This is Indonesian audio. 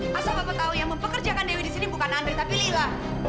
masa bapak tahu yang mempekerjakan dewi di sini bukan andri tapi lila